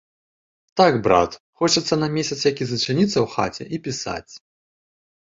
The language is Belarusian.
Так, брат, хочацца на месяц які зачыніцца ў хаце і пісаць.